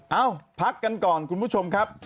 เอ้าพักกันก่อนคุณผู้ชมครับ